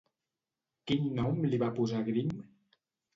Quin nom li va posar Grimm?